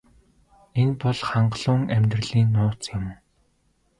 Энэ бол хангалуун амьдралын нууц юм.